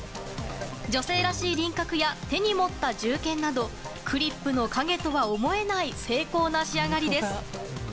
女性らしい輪郭や手に持った銃剣などクリップの影とは思えない精巧な仕上がりです。